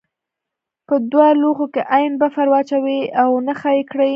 په دوه لوښو کې عین بفر واچوئ او نښه یې کړئ.